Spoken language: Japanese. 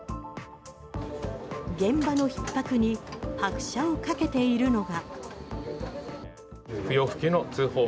現場の逼迫に拍車をかけているのが。